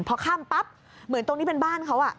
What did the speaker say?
พอข้ามปั๊บเหมือนตรงนี้เป็นบ้านเขา